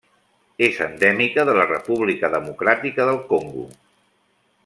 És endèmica de la República Democràtica del Congo.